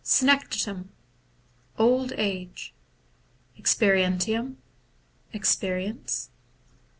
3. Senectutem Old age, 4. Exp^ientiam Experience.